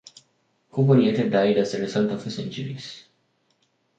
Cooper later died as the result of his injuries.